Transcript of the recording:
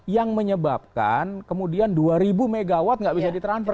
yang menyebabkan kemudian dua ribu mw tidak bisa di transfer